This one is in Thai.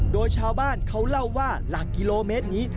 โดยชาวบ้านเขาเล่าว่าหลักกิโลเมตรนี้